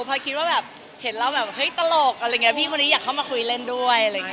พอคิดว่าแบบเห็นเราแบบเฮ้ยตลกอะไรอย่างนี้พี่คนนี้อยากเข้ามาคุยเล่นด้วยอะไรอย่างนี้